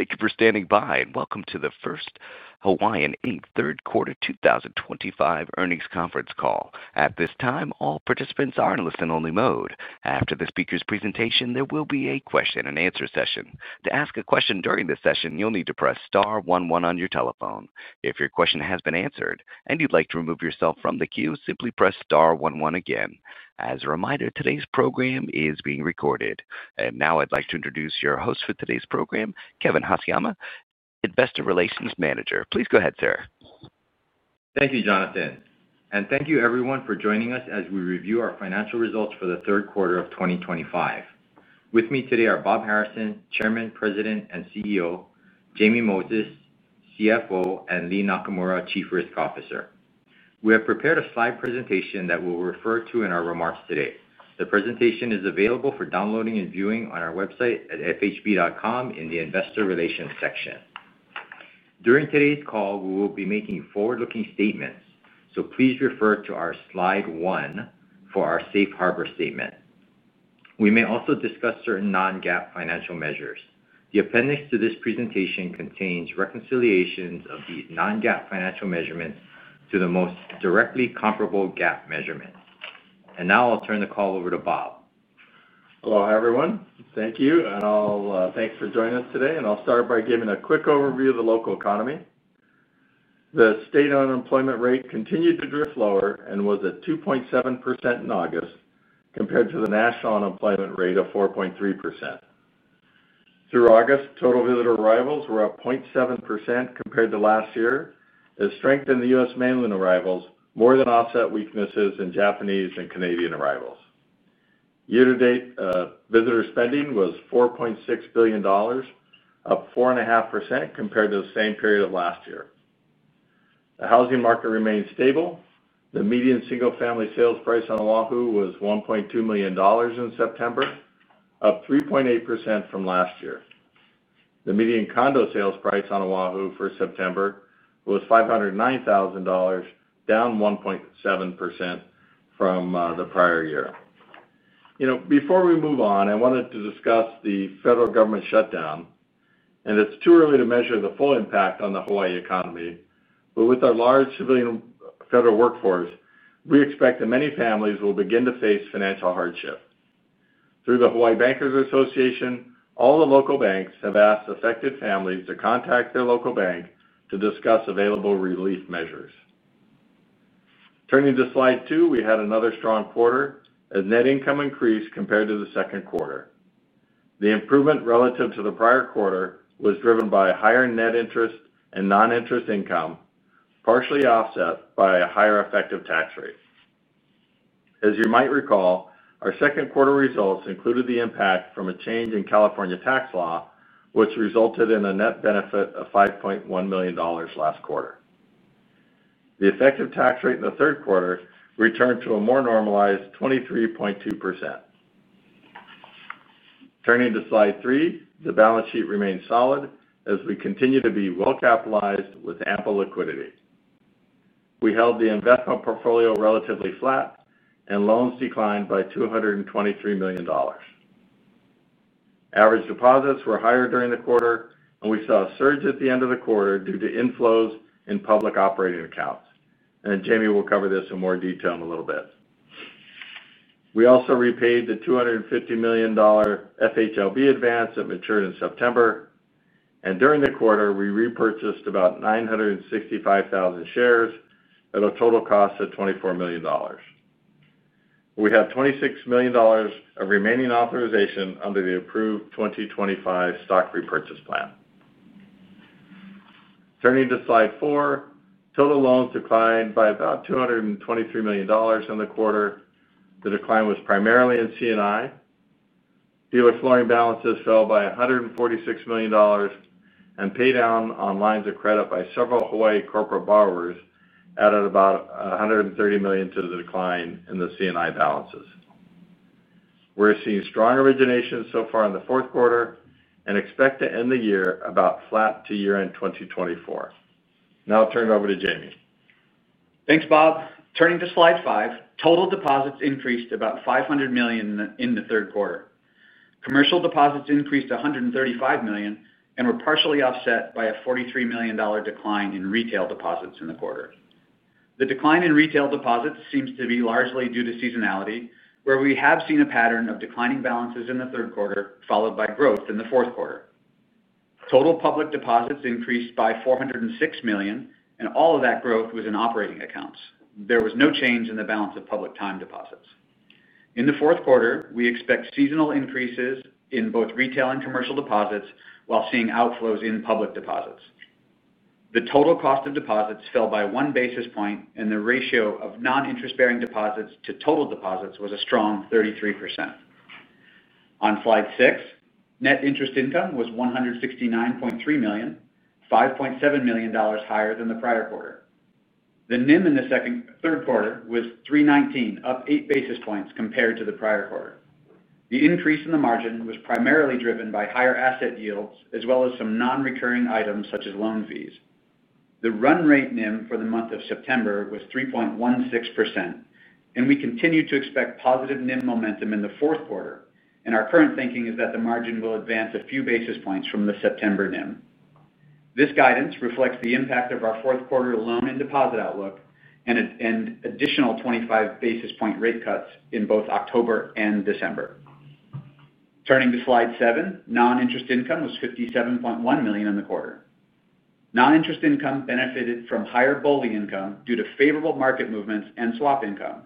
Thank you for standing by and welcome to the First Hawaiian Inc third quarter 2025 earnings conference call. At this time, all participants are in listen-only mode. After the speaker's presentation, there will be a question-and-answer session. To ask a question during this session, you'll need to press star one one on your telephone. If your question has been answered and you'd like to remove yourself from the queue, simply press star one one again. As a reminder, today's program is being recorded. Now I'd like to introduce your host for today's program, Kevin Haseyama, Investor Relations Manager. Please go ahead, sir. Thank you, Jonathan. Thank you, everyone, for joining us as we review our financial results for the third quarter of 2025. With me today are Bob Harrison, Chairman, President and CEO; Jamie Moses, CFO; and Lea Nakamura, Chief Risk Officer. We have prepared a slide presentation that we'll refer to in our remarks today. The presentation is available for downloading and viewing on our website at fhb.com in the Investor Relations section. During today's call, we will be making forward-looking statements. Please refer to our Slide 1 for our Safe Harbor statement. We may also discuss certain non-GAAP financial measures. The appendix to this presentation contains reconciliations of these non-GAAP financial measurements to the most directly comparable GAAP measurements. Now I'll turn the call over to Bob. Hello, everyone. Thank you, and thanks for joining us today. I'll start by giving a quick overview of the local economy. The state unemployment rate continued to drift lower and was at 2.7% in August compared to the national unemployment rate of 4.3%. Through August, total visitor arrivals were up 0.7% compared to last year. It strengthened the U.S. Mainland arrivals, more than offset weaknesses in Japanese and Canadian arrivals. Year-to-date visitor spending was $4.6 billion, up 4.5% compared to the same period of last year. The housing market remained stable. The median single-family sales price on O'ahu was $1.2 million in September, up 3.8% from last year. The median condo sales price on O'ahu for September was $509,000, down 1.7% from the prior year. Before we move on, I wanted to discuss the federal government shutdown. It's too early to measure the full impact on the Hawaii economy, but with our large civilian federal workforce, we expect that many families will begin to face financial hardship. Through the Hawaii Bankers Association, all the local banks have asked affected families to contact their local bank to discuss available relief measures. Turning to Slide 2, we had another strong quarter as net income increased compared to the second quarter. The improvement relative to the prior quarter was driven by higher net interest and non-interest income, partially offset by a higher effective tax rate. As you might recall, our second quarter results included the impact from a change in California tax law, which resulted in a net benefit of $5.1 million last quarter. The effective tax rate in the third quarter returned to a more normalized 23.2%. Turning to Slide 3, the balance sheet remains solid as we continue to be well-capitalized with ample liquidity. We held the investment portfolio relatively flat, and loans declined by $223 million. Average deposits were higher during the quarter, and we saw a surge at the end of the quarter due to inflows in public operating accounts. Jamie will cover this in more detail in a little bit. We also repaid the $250 million FHLB advance that matured in September. During the quarter, we repurchased about 965,000 shares at a total cost of $24 million. We have $26 million of remaining authorization under the approved 2025 stock repurchase plan. Turning to Slide 4, total loans declined by about $223 million in the quarter. The decline was primarily in C&I. Dealer flooring balances fell by $146 million, and paydown on lines of credit by several Hawaii corporate borrowers added about $130 million to the decline in the C&I balances. We're seeing strong origination so far in the fourth quarter and expect to end the year about flat to year-end 2024. Now I'll turn it over to Jamie. Thanks, Bob. Turning to Slide 5, total deposits increased about $500 million in the third quarter. Commercial deposits increased to $135 million and were partially offset by a $43 million decline in retail deposits in the quarter. The decline in retail deposits seems to be largely due to seasonality, where we have seen a pattern of declining balances in the third quarter, followed by growth in the fourth quarter. Total public deposits increased by $406 million, and all of that growth was in operating accounts. There was no change in the balance of public time deposits. In the fourth quarter, we expect seasonal increases in both retail and commercial deposits, while seeing outflows in public deposits. The total cost of deposits fell by one basis point, and the ratio of non-interest-bearing deposits to total deposits was a strong 33%. On Slide 6, net interest income was $169.3 million, $5.7 million higher than the prior quarter. The NIM in the third quarter was 3.19%, up 8 basis points compared to the prior quarter. The increase in the margin was primarily driven by higher asset yields, as well as some non-recurring items such as loan fees. The run rate NIM for the month of September was 3.16%, and we continue to expect positive NIM momentum in the fourth quarter. Our current thinking is that the margin will advance a few basis points from the September NIM. This guidance reflects the impact of our fourth quarter loan and deposit outlook and additional 25 basis point rate cuts in both October and December. Turning to Slide 7, non-interest income was $57.1 million in the quarter. Non-interest income benefited from higher swap income due to favorable market movements and swap income.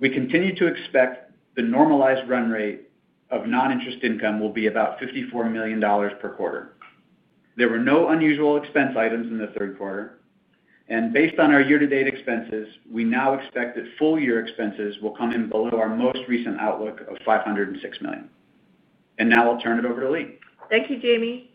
We continue to expect the normalized run rate of non-interest income will be about $54 million per quarter. There were no unusual expense items in the third quarter. Based on our year-to-date expenses, we now expect that full-year expenses will come in below our most recent outlook of $506 million. Now I'll turn it over to Lea. Thank you, Jamie.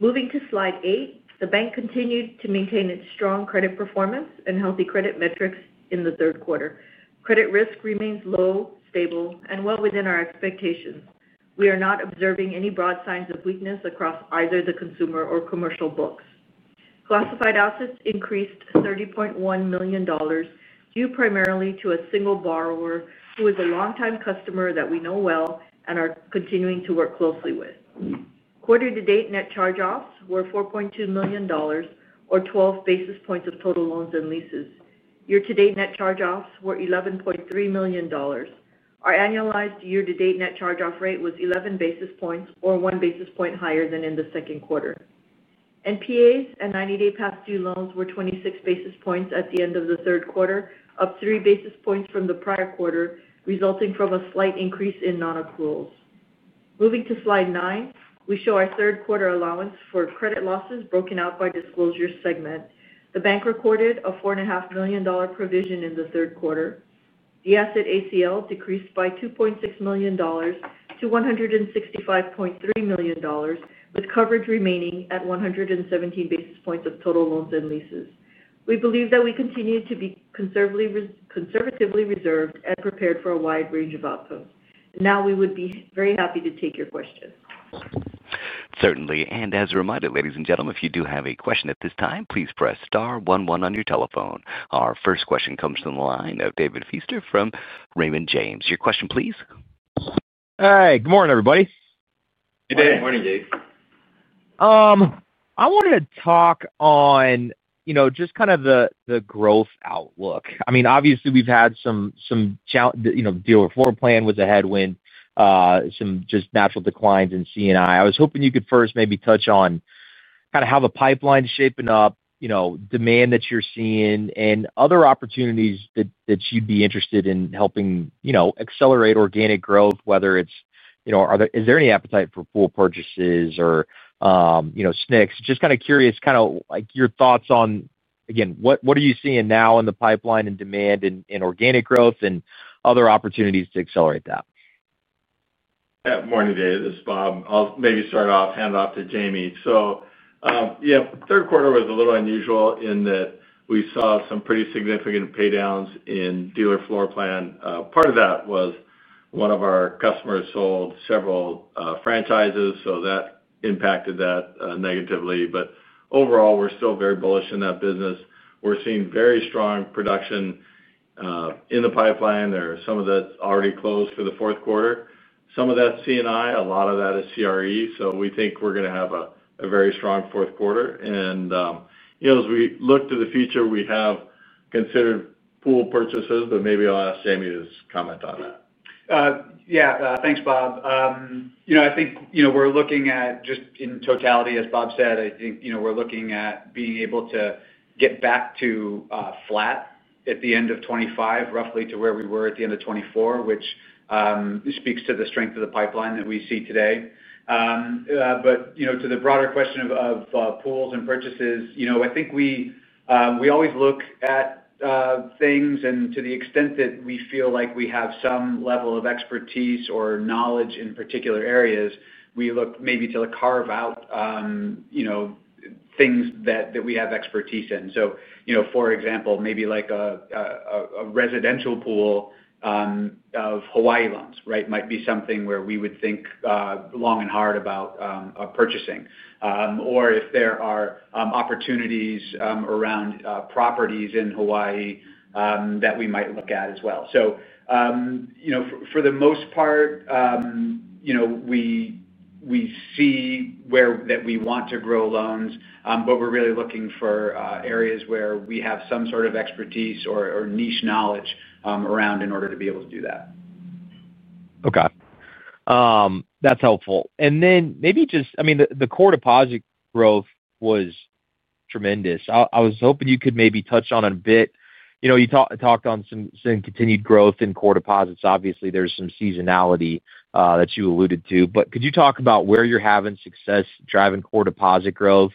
Moving to Slide 8, the bank continued to maintain its strong credit performance and healthy credit metrics in the third quarter. Credit risk remains low, stable, and well within our expectations. We are not observing any broad signs of weakness across either the consumer or commercial books. Classified assets increased $30.1 million, due primarily to a single borrower who is a longtime customer that we know well and are continuing to work closely with. Quarter-to-date net charge-offs were $4.2 million, or 12 bps of total loans and leases. Year-to-date net charge-offs were $11.3 million. Our annualized year-to-date net charge-off rate was 11 basis points, or 1 basis points higher than in the second quarter. NPAs and 90-day past-due loans were 26 basis points at the end of the third quarter, up 3 basis points from the prior quarter, resulting from a slight increase in non-accruals. Moving to Slide 9, we show our third quarter allowance for credit losses broken out by disclosure segment. The bank recorded a $4.5 million provision in the third quarter. The asset ACL decreased by $2.6 million to $165.3 million, with coverage remaining at 117 basis points of total loans and leases. We believe that we continue to be conservatively reserved and prepared for a wide range of outcomes. Now we would be very happy to take your questions. Certainly. As a reminder, ladies and gentlemen, if you do have a question at this time, please press star one one on your telephone. Our first question comes from the line of David Feaster from Raymond James. Your question, please. Hey, good morning, everybody. Good morning, David. Good morning, James. I wanted to talk on, you know, just kind of the growth outlook. I mean, obviously, we've had some challenges, you know, the dealer floor plan was a headwind, some just natural declines in C&I. I was hoping you could first maybe touch on kind of how the pipeline is shaping up, you know, demand that you're seeing, and other opportunities that you'd be interested in helping, you know, accelerate organic growth, whether it's, you know, is there any appetite for pool purchases or, you know, SNCS? Just kind of curious, kind of like your thoughts on, again, what are you seeing now in the pipeline in demand and organic growth and other opportunities to accelerate that? Yeah, good morning, David. This is Bob. I'll maybe start off, hand it off to Jamie. Third quarter was a little unusual in that we saw some pretty significant paydowns in dealer floor plan. Part of that was one of our customers sold several franchises, so that impacted that negatively. Overall, we're still very bullish in that business. We're seeing very strong production in the pipeline. Some of that's already closed for the fourth quarter. Some of that's C&I. A lot of that is CRE. We think we're going to have a very strong fourth quarter. As we look to the future, we have considered pool purchases, but maybe I'll ask Jamie to comment on that. Yeah, thanks, Bob. I think we're looking at just in totality, as Bob said, we're looking at being able to get back to flat at the end of 2025, roughly to where we were at the end of 2024, which speaks to the strength of the pipeline that we see today. To the broader question of pools and purchases, I think we always look at things, and to the extent that we feel like we have some level of expertise or knowledge in particular areas, we look maybe to carve out things that we have expertise in. For example, maybe like a residential pool of Hawaii loans might be something where we would think long and hard about purchasing, or if there are opportunities around properties in Hawaii that we might look at as well. For the most part, we see that we want to grow loans, but we're really looking for areas where we have some sort of expertise or niche knowledge around in order to be able to do that. Okay. That's helpful. Maybe just, I mean, the core deposit growth was tremendous. I was hoping you could maybe touch on it a bit. You know, you talked on some continued growth in core deposits. Obviously, there's some seasonality that you alluded to, but could you talk about where you're having success driving core deposit growth?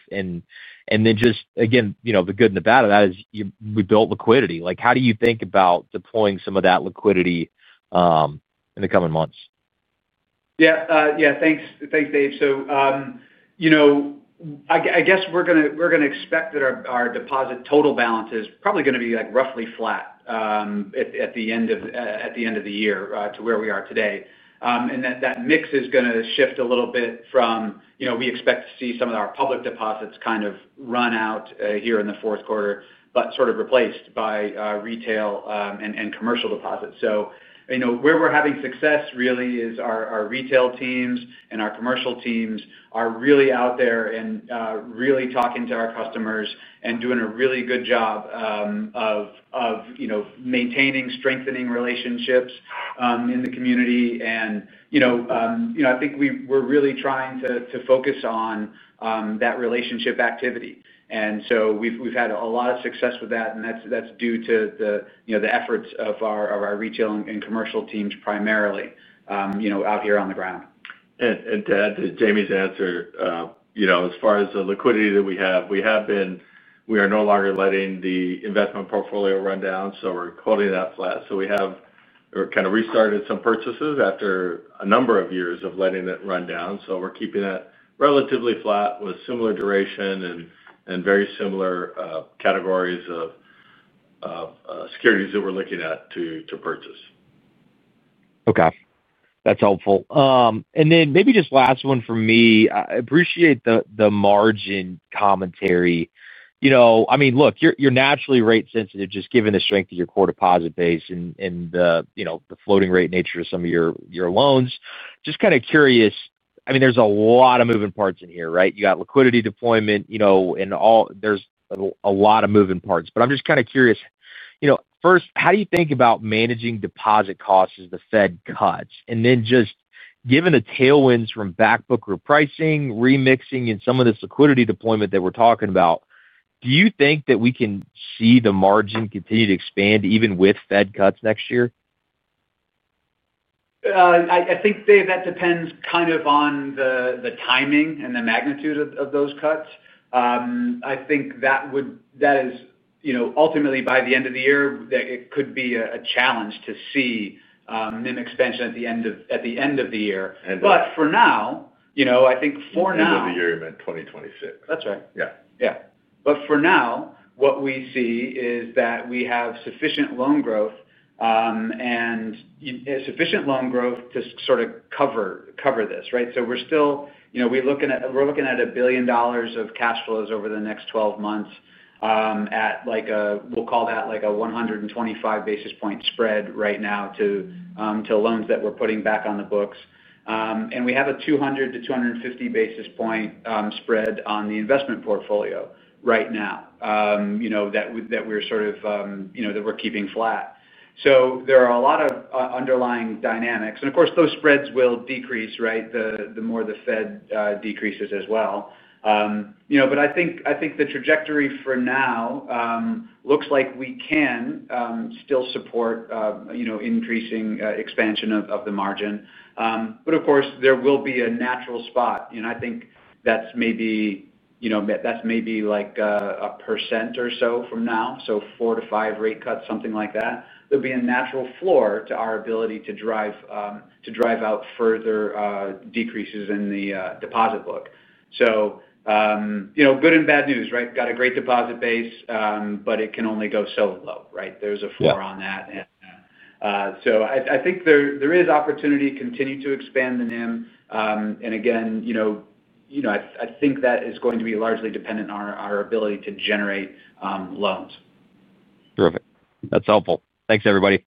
Just, again, you know, the good and the bad of that is we built liquidity. How do you think about deploying some of that liquidity in the coming months? Yeah, thanks, Dave. You know, I guess we're going to expect that our deposit total balance is probably going to be roughly flat at the end of the year to where we are today. That mix is going to shift a little bit from, you know, we expect to see some of our public deposits kind of run out here in the fourth quarter, but sort of replaced by retail and commercial deposits. Where we're having success really is our retail teams and our commercial teams are really out there and really talking to our customers and doing a really good job of maintaining and strengthening relationships in the community. I think we're really trying to focus on that relationship activity. We've had a lot of success with that, and that's due to the efforts of our retail and commercial teams primarily out here on the ground. To add to Jamie's answer, as far as the liquidity that we have, we are no longer letting the investment portfolio run down, so we're holding that flat. We have kind of restarted some purchases after a number of years of letting it run down. We're keeping that relatively flat with similar duration and very similar categories of securities that we're looking at to purchase. Okay. That's helpful. Maybe just last one from me. I appreciate the margin commentary. You know, I mean, look, you're naturally rate sensitive just given the strength of your core deposit base and the, you know, the floating rate nature of some of your loans. Just kind of curious, I mean, there's a lot of moving parts in here, right? You got liquidity deployment, you know, and there's a lot of moving parts, but I'm just kind of curious, you know, first, how do you think about managing deposit costs as the Fed cuts? Just given the tailwinds from backbook repricing, remixing, and some of this liquidity deployment that we're talking about, do you think that we can see the margin continue to expand even with Fed cuts next year? I think, Dave, that depends on the timing and the magnitude of those cuts. I think that is, you know, ultimately by the end of the year, it could be a challenge to see NIM expansion at the end of the year. For now, I think for now. End of the year you meant 2026. That's right. Yeah. Yeah. For now, what we see is that we have sufficient loan growth and sufficient loan growth to sort of cover this, right? We're still, you know, we're looking at $1 billion of cash flows over the next 12 months at like a, we'll call that like a 125 basis point spread right now to loans that we're putting back on the books. We have a 200-250 basis point spread on the investment portfolio right now, you know, that we're sort of, you know, that we're keeping flat. There are a lot of underlying dynamics. Of course, those spreads will decrease, right, the more the Fed decreases as well. I think the trajectory for now looks like we can still support, you know, increasing expansion of the margin. Of course, there will be a natural spot. I think that's maybe, you know, that's maybe like a percent or so from now, so four to five rate cuts, something like that. There'll be a natural floor to our ability to drive out further decreases in the deposit book. Good and bad news, right? Got a great deposit base, but it can only go so low, right? There's a floor on that. I think there is opportunity to continue to expand the NIM. Again, you know, I think that is going to be largely dependent on our ability to generate loans. Terrific. That's helpful. Thanks, everybody.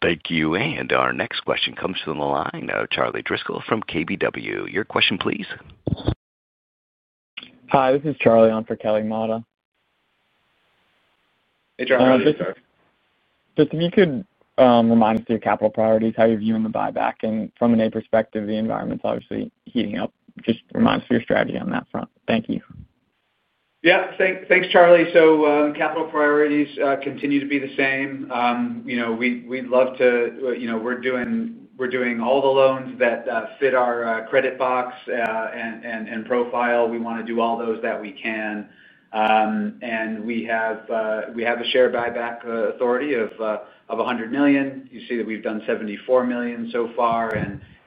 Thank you. Our next question comes from the line of Charlie Driscoll from KBW. Your question, please. Hi, this is Charlie on for Kelly Motta. Hey, Charlie. Just if you could remind us of your capital priorities, how you're viewing the buyback. From an M&A perspective, the environment's obviously heating up. Just remind us of your strategy on that front. Thank you. Yeah, thanks, Charlie. Capital priorities continue to be the same. We'd love to, you know, we're doing all the loans that fit our credit box and profile. We want to do all those that we can. We have a share buyback authority of $100 million. You see that we've done $74 million so far.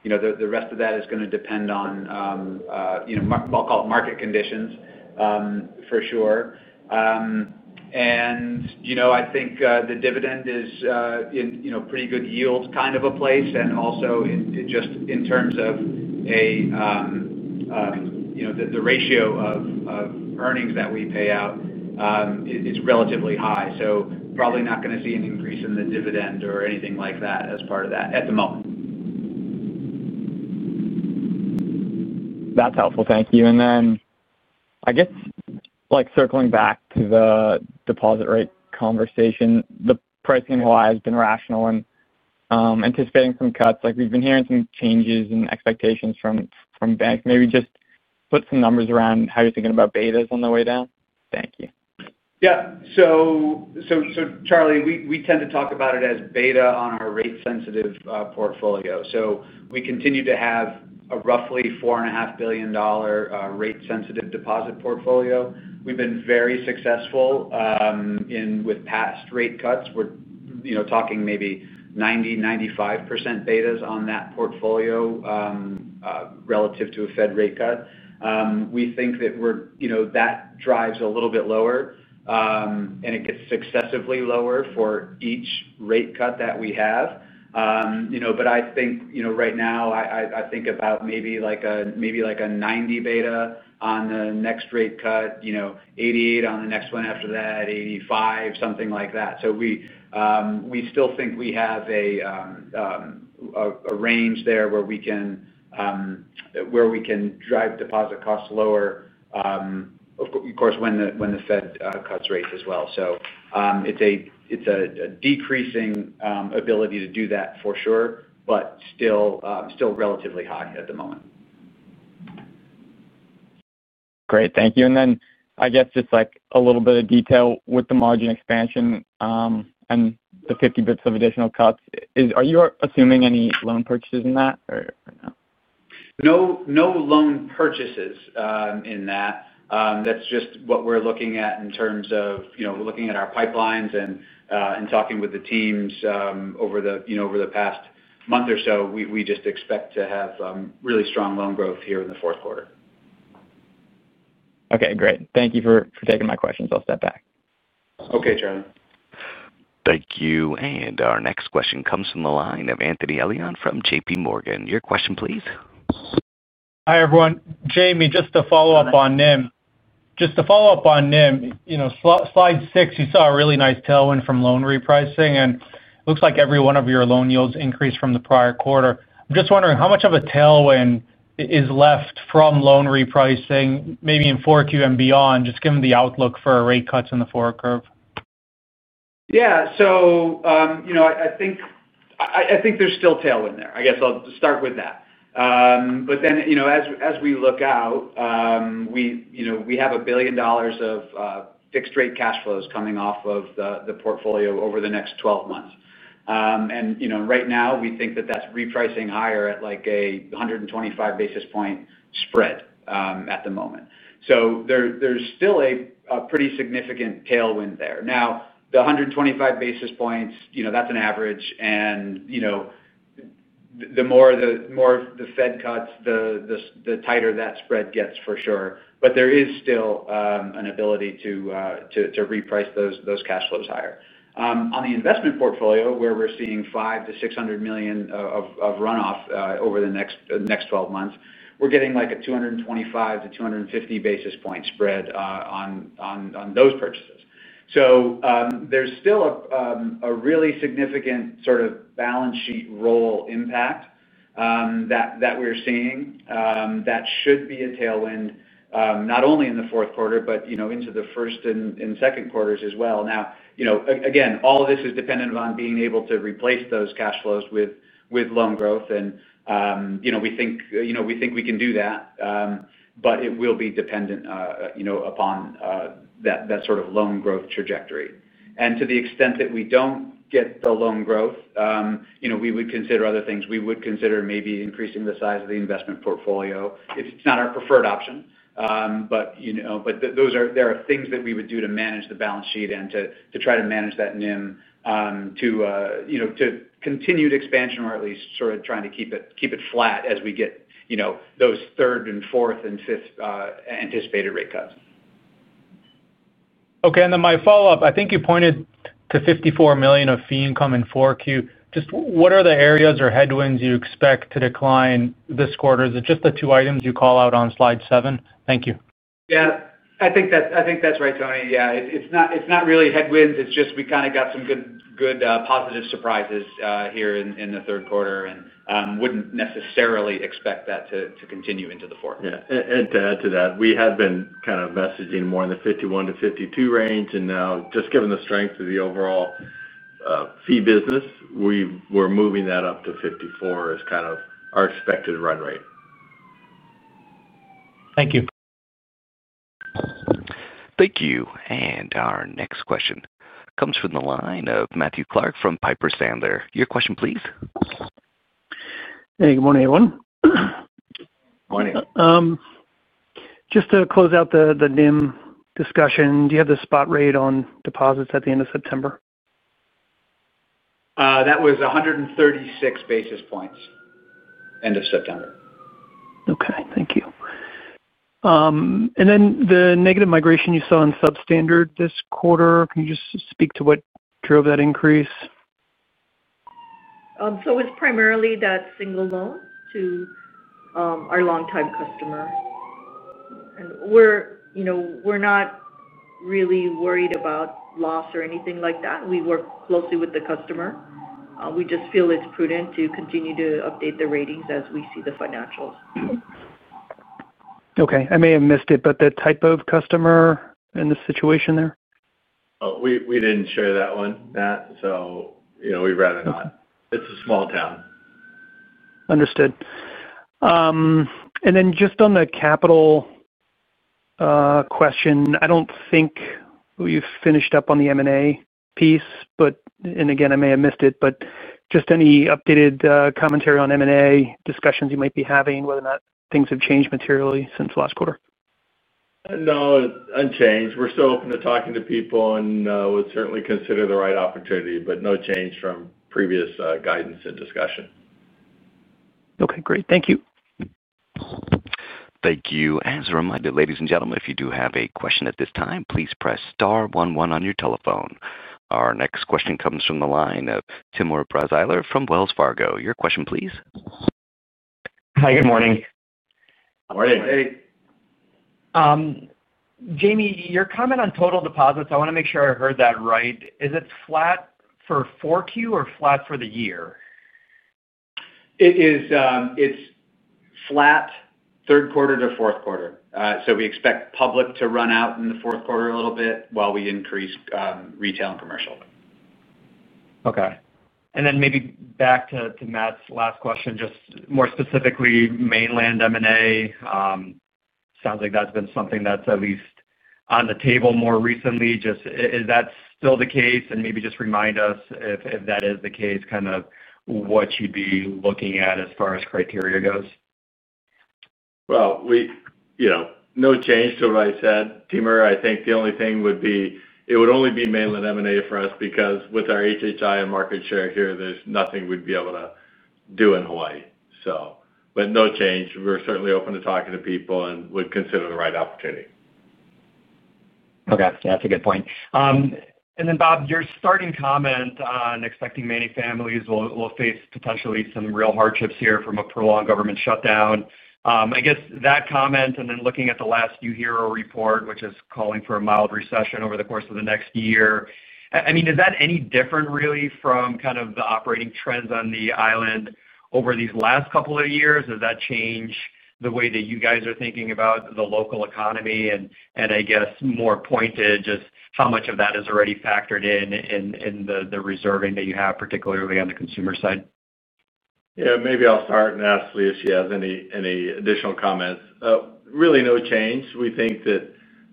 The rest of that is going to depend on, I'll call it market conditions, for sure. I think the dividend is in, you know, pretty good yield kind of a place. Also, just in terms of the ratio of earnings that we pay out, it is relatively high. Probably not going to see an increase in the dividend or anything like that as part of that at the moment. That's helpful. Thank you. Circling back to the deposit rate conversation, the pricing in Hawaii has been rational and anticipating some cuts. We've been hearing some changes in expectations from banks. Maybe just put some numbers around how you're thinking about betas on the way down. Thank you. Yeah. Charlie, we tend to talk about it as beta on our rate-sensitive portfolio. We continue to have a roughly $4.5 billion rate-sensitive deposit portfolio. We've been very successful with past rate cuts. We're talking maybe 90%, 95% betas on that portfolio relative to a Fed rate cut. We think that drives a little bit lower, and it gets successively lower for each rate cut that we have. Right now, I think about maybe like a 90 beta on the next rate cut, 88 on the next one after that, 85, something like that. We still think we have a range there where we can drive deposit costs lower, of course, when the Fed cuts rates as well. It's a decreasing ability to do that for sure, but still relatively high at the moment. Thank you. I guess just a little bit of detail with the margin expansion and the 50 bps of additional cuts, are you assuming any loan purchases in that or no? No, no loan purchases in that. That's just what we're looking at in terms of, you know, we're looking at our pipelines and talking with the teams over the past month or so. We just expect to have really strong loan growth here in the fourth quarter. Okay, great. Thank you for taking my questions. I'll step back. Okay, Charlie. Thank you. Our next question comes from the line of Anthony Elian from JPMorgan. Your question, please. Hi, everyone. Jamie, just to follow up on NIM. Just to follow up on NIM, you know, Slide 6, you saw a really nice tailwind from loan repricing, and it looks like every one of your loan yields increased from the prior quarter. I'm just wondering how much of a tailwind is left from loan repricing, maybe in 4Q and beyond, just given the outlook for rate cuts in the forward curve? Yeah, I think there's still tailwind there. I'll start with that. As we look out, we have $1 billion of fixed-rate cash flows coming off of the portfolio over the next 12 months. Right now, we think that's repricing higher at like a 125 basis point spread at the moment, so there's still a pretty significant tailwind there. The 125 basis points, that's an average. The more the Fed cuts, the tighter that spread gets for sure, but there is still an ability to reprice those cash flows higher. On the investment portfolio, where we're seeing $500 million-$600 million of runoff over the next 12 months, we're getting like a 225-250 basis point spread on those purchases. There's still a really significant sort of balance sheet roll impact that we're seeing that should be a tailwind, not only in the fourth quarter, but into the first and second quarters as well. All of this is dependent upon being able to replace those cash flows with loan growth. We think we can do that, but it will be dependent upon that sort of loan growth trajectory. To the extent that we don't get the loan growth, we would consider other things. We would consider maybe increasing the size of the investment portfolio, if it's not our preferred option. There are things that we would do to manage the balance sheet and to try to manage that NIM to continued expansion or at least sort of trying to keep it flat as we get those third and fourth and fifth anticipated rate cuts. Okay. My follow-up, I think you pointed to $54 million of fee income in 4Q. What are the areas or headwinds you expect to decline this quarter? Is it just the two items you call out on Slide 7? Thank you. Yeah, I think that's right, Tony. It's not really headwinds. We kind of got some good positive surprises here in the third quarter and wouldn't necessarily expect that to continue into the fourth. Yeah, to add to that, we had been kind of messaging more in the $51-$52 range. Now, just given the strength of the overall fee business, we're moving that up to $54 as kind of our expected run rate. Thank you. Thank you. Our next question comes from the line of Matthew Clark from Piper Sandler. Your question, please. Hey, good morning, everyone. Morning. Just to close out the NIM discussion, do you have the spot rate on deposits at the end of September? That was 136 basis points end of September. Thank you. The negative migration you saw in substandard this quarter, can you just speak to what drove that increase? It is primarily that single loan to our longtime customer. We're not really worried about loss or anything like that. We work closely with the customer, and we just feel it's prudent to continue to update the ratings as we see the financials. Okay, I may have missed it, but the type of customer in the situation there? Oh, we didn't share that one. We'd rather not. It's a small town. Understood. On the capital question, I don't think we've finished up on the M&A piece, but I may have missed it. Any updated commentary on M&A discussions you might be having, whether or not things have changed materially since last quarter? No, unchanged. We're still open to talking to people and would certainly consider the right opportunity, but no change from previous guidance and discussion. Okay, great. Thank you. Thank you. As a reminder, ladies and gentlemen, if you do have a question at this time, please press star one one on your telephone. Our next question comes from the line of Timur Braziler from Wells Fargo. Your question, please. Hi, good morning. Morning. Morning. Jamie, your comment on total deposits, I want to make sure I heard that right. Is it flat for 4Q or flat for the year? It's flat third quarter to fourth quarter. We expect public to run out in the fourth quarter a little bit while we increase retail and commercial. Okay. Maybe back to Matt's last question, just more specifically, mainland M&A sounds like that's been something that's at least on the table more recently. Is that still the case? Maybe just remind us if that is the case, kind of what you'd be looking at as far as criteria goes. No change to what I said. Timur, I think the only thing would be it would only be mainland M&A for us because with our HHI and market share here, there's nothing we'd be able to do in Hawaii. No change. We're certainly open to talking to people and would consider the right opportunity. Okay. Yeah, that's a good point. Bob, your starting comment on expecting many families will face potentially some real hardships here from a prolonged federal government shutdown. I guess that comment and then looking at the last New Hero report, which is calling for a mild recession over the course of the next year, is that any different really from kind of the operating trends on the island over these last couple of years? Does that change the way that you guys are thinking about the local economy? I guess more pointed, just how much of that is already factored in in the reserving that you have, particularly on the consumer side? Yeah, maybe I'll start and ask Lea if she has any additional comments. Really, no change. We think that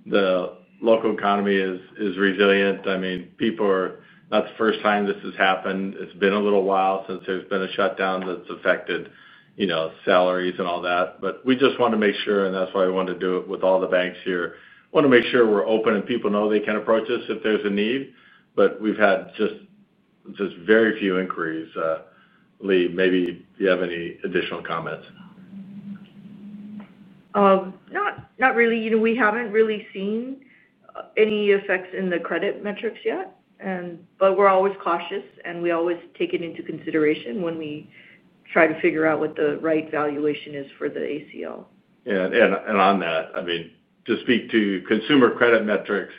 the local economy is resilient. I mean, people are not the first time this has happened. It's been a little while since there's been a shutdown that's affected, you know, salaries and all that. We just want to make sure, and that's why we want to do it with all the banks here. I want to make sure we're open and people know they can approach us if there's a need. We've had just very few inquiries. Lea, maybe you have any additional comments? Not really. We haven't really seen any effects in the credit metrics yet, but we're always cautious, and we always take it into consideration when we try to figure out what the right valuation is for the ACL. Yeah, to speak to consumer credit metrics,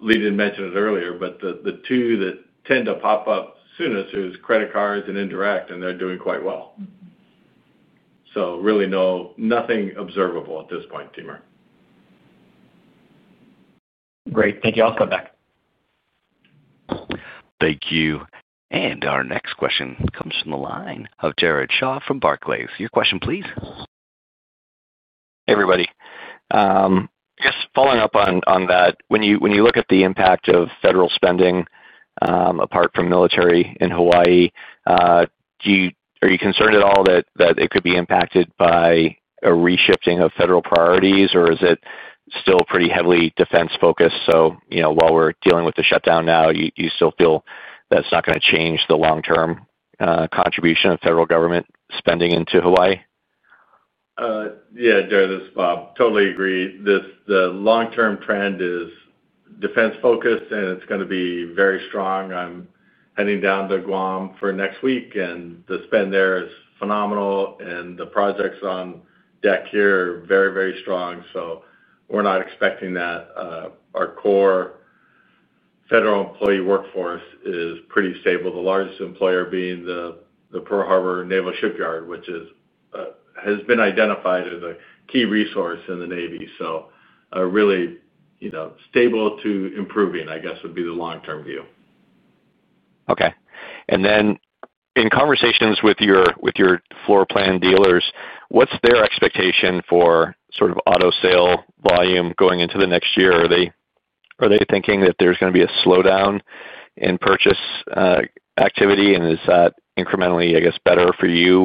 Lea didn't mention it earlier, but the two that tend to pop up soonest are credit cards and indirect, and they're doing quite well. Really, nothing observable at this point, Timur. Great. Thank you. I'll step back. Thank you. Our next question comes from the line of Jared Shaw from Barclays. Your question, please. Hey, everybody. I guess following up on that, when you look at the impact of federal spending, apart from military in Hawaii, are you concerned at all that it could be impacted by a re-shifting of federal priorities, or is it still pretty heavily defense-focused? While we're dealing with the shutdown now, you still feel that's not going to change the long-term contribution of federal government spending into Hawaii? Yeah, Jared, this is Bob. Totally agree. The long-term trend is defense-focused, and it's going to be very strong. I'm heading down to Guam next week, and the spend there is phenomenal, and the projects on deck here are very, very strong. We're not expecting that. Our core federal employee workforce is pretty stable, the largest employer being the Pearl Harbor Naval Shipyard, which has been identified as a key resource in the Navy. Really, you know, stable to improving, I guess, would be the long-term view. Okay. In conversations with your floor plan dealers, what's their expectation for sort of auto sale volume going into the next year? Are they thinking that there's going to be a slowdown in purchase activity, and is that incrementally, I guess, better for you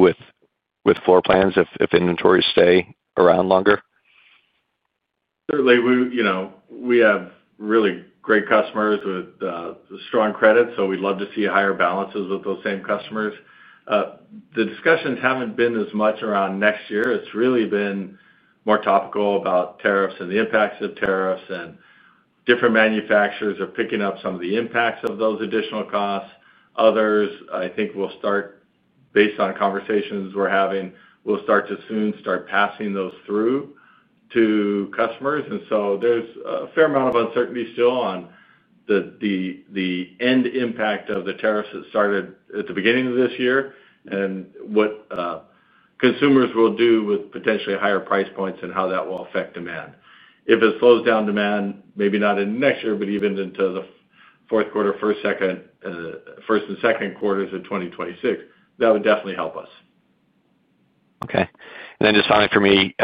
with floor plans if inventories stay around longer? Certainly. We have really great customers with strong credit, so we'd love to see higher balances with those same customers. The discussions haven't been as much around next year. It's really been more topical about tariffs and the impacts of tariffs. Different manufacturers are picking up some of the impacts of those additional costs. Others, I think we'll start, based on conversations we're having, we'll start to soon start passing those through to customers. There's a fair amount of uncertainty still on the end impact of the tariffs that started at the beginning of this year and what consumers will do with potentially higher price points and how that will affect demand. If it slows down demand, maybe not in next year, but even into the fourth quarter, first and second quarters of 2026, that would definitely help us. Okay. Finally, for me,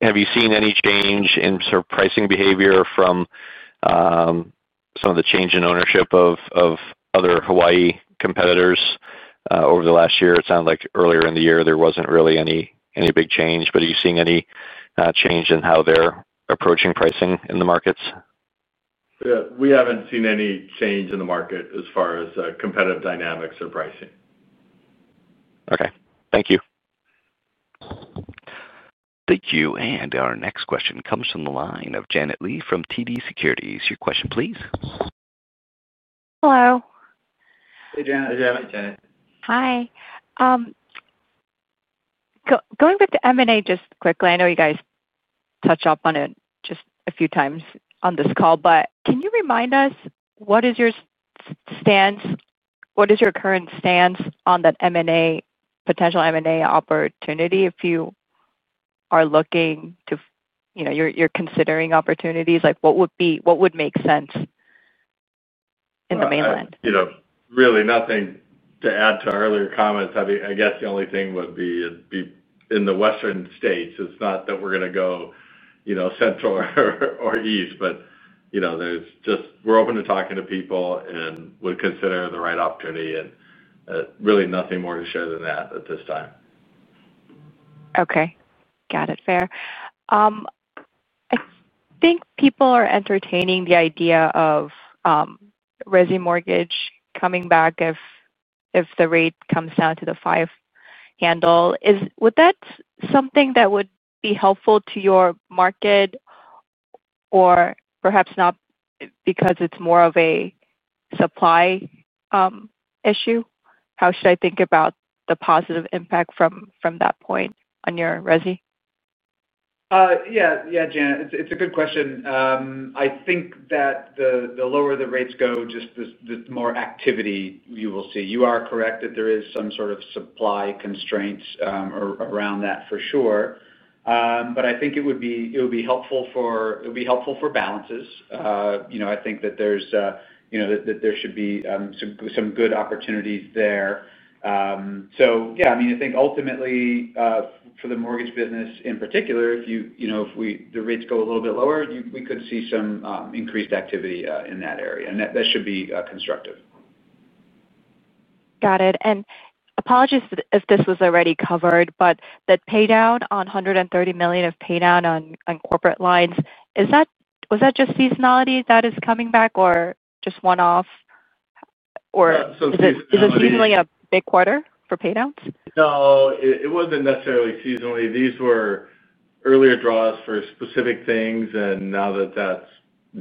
have you seen any change in sort of pricing behavior from some of the change in ownership of other Hawaii competitors over the last year? It sounded like earlier in the year there wasn't really any big change, but are you seeing any change in how they're approaching pricing in the markets? Yeah, we haven't seen any change in the market as far as competitive dynamics or pricing. Okay, thank you. Thank you. Our next question comes from the line of Janet Lee from TD Securities. Your question, please. Hello. Hey, Janet. Hey, Janet. Hey, Janet. Hi, going back to M&A just quickly, I know you guys touched on it just a few times on this call, but can you remind us what is your stance, what is your current stance on that M&A, potential M&A opportunity if you are looking to, you know, you're considering opportunities? Like what would be, what would make sense in the mainland? Really nothing to add to earlier comments. I guess the only thing would be it'd be in the Western States, It's not that we're going to go Central or East, but there's just, we're open to talking to people and would consider the right opportunity. Really nothing more to share than that at this time. Okay. Got it. Fair. I think people are entertaining the idea of resi mortgage coming back if the rate comes down to the five handle. Would that be something that would be helpful to your market or perhaps not because it's more of a supply issue? How should I think about the positive impact from that point on your resi? Yeah, Janet. It's a good question. I think that the lower the rates go, just the more activity you will see. You are correct that there is some sort of supply constraints around that for sure. I think it would be helpful for balances. I think that there's, you know, that there should be some good opportunities there. I mean, I think ultimately for the mortgage business in particular, if the rates go a little bit lower, we could see some increased activity in that area. That should be constructive. Got it. Apologies if this was already covered, but that $130 million of pay down on corporate lines, is that, was that just seasonality that is coming back or just one-off? Is it seasonally a big quarter for pay downs? No, it wasn't necessarily seasonally. These were earlier draws for specific things, and now that that's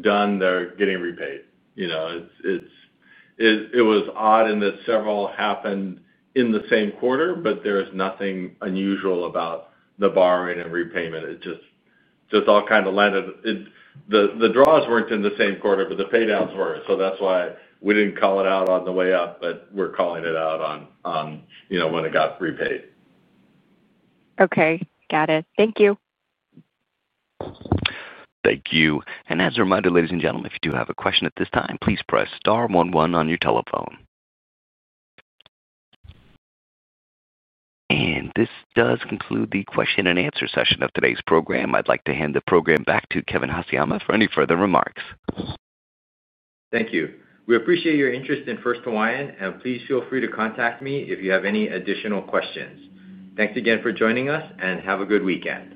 done, they're getting repaid. It was odd in that several happened in the same quarter, but there's nothing unusual about the borrowing and repayment. It just all kind of landed. The draws weren't in the same quarter, but the paydowns were. That's why we didn't call it out on the way up, but we're calling it out when it got repaid. Okay. Got it. Thank you. Thank you. As a reminder, ladies and gentlemen, if you do have a question at this time, please press star one one on your telephone. This does conclude the question and answer session of today's program. I'd like to hand the program back to Kevin Haseyama for any further remarks. Thank you. We appreciate your interest in First Hawaiian, and please feel free to contact me if you have any additional questions. Thanks again for joining us, and have a good weekend.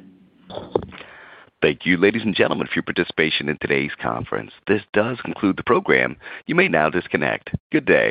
Thank you, ladies and gentlemen, for your participation in today's conference. This does conclude the program. You may now disconnect. Good day.